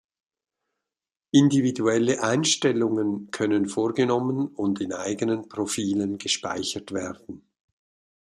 Individuelle Einstellungen können vorgenommen und in eigenen Profilen gespeichert werden.